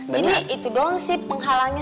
jadi itu doang sih penghalangnya